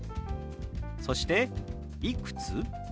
そして「いくつ？」。